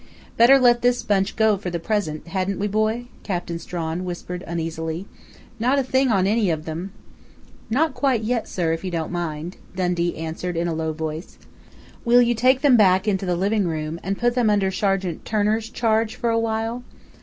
"Better let this bunch go for the present, hadn't we, boy?" Captain Strawn whispered uneasily. "Not a thing on any of them " "Not quite yet, sir, if you don't mind," Dundee answered in a low voice. "Will you take them back into the living room and put them under Sergeant Turner's charge for a while?